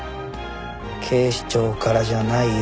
警視庁からじゃないよ。